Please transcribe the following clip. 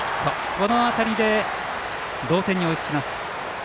この当たりで同点に追いつきます。